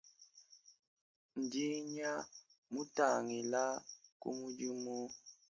Ndinya, mutangila ku mudimu.